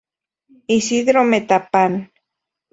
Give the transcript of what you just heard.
Isidro Metapán.